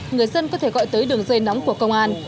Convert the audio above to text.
người dân có thể gọi tới đường dây nóng của công an